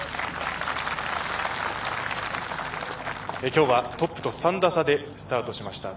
今日はトップと３打差でスタートしました。